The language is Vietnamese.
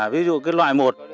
ví dụ cái loại một